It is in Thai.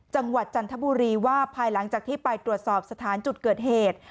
จันทบุรีว่าภายหลังจากที่ไปตรวจสอบสถานจุดเกิดเหตุ